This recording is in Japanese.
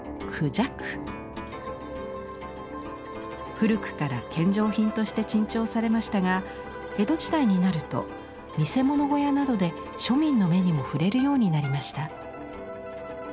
古くから献上品として珍重されましたが江戸時代になると見せ物小屋などで庶民の目にも触れるようになりました。